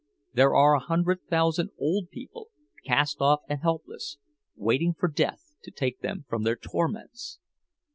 There are a hundred thousand old people, cast off and helpless, waiting for death to take them from their torments!